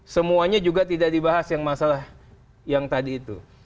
semuanya juga tidak dibahas yang masalah yang tadi itu